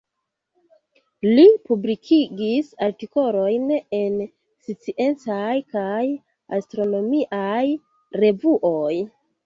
Li publikigis artikolojn en sciencaj kaj astronomiaj revuoj.